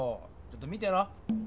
ちょっと見てろ。